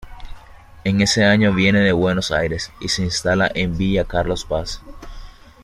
En ese año viene de Buenos Aires y se instala en Villa Carlos Paz.